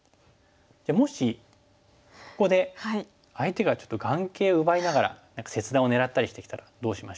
じゃあもしここで相手がちょっと眼形を奪いながら切断を狙ったりしてきたらどうしましょう？